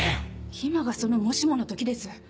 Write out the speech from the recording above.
今がそのもしもの時です。